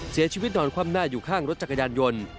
เสียชีวิตตอนความหน้าอยู่ข้างรถจักรยานยนต์